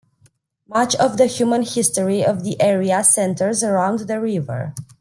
Much of the human history of the area centers around the river.